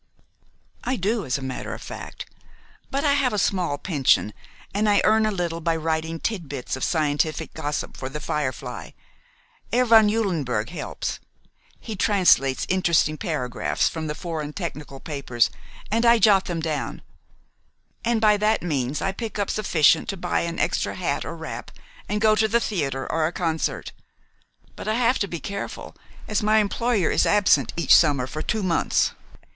"I do, as a matter of fact; but I have a small pension, and I earn a little by writing titbits of scientific gossip for 'The Firefly.' Herr von Eulenberg helps. He translates interesting paragraphs from the foreign technical papers, and I jot them down, and by that means I pick up sufficient to buy an extra hat or wrap, and go to a theater or a concert. But I have to be careful, as my employer is absent each summer for two months.